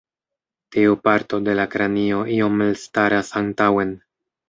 Tiu parto de la kranio iom elstaras antaŭen.